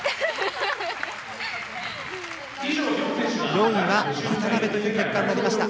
４位は渡部という結果になりました。